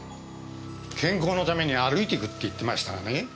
健康のために歩いていくって言ってましたがね。